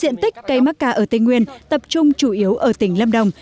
diện tích cây macca ở tây nguyên tập trung chủ yếu ở tỉnh lâm đồng